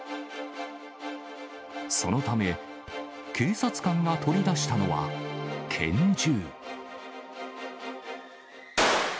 そのため、警察官が取り出したのは拳銃。